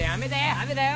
雨だよ！